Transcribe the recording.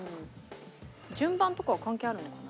順番とかは関係あるのかな？